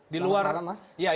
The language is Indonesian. selamat malam mas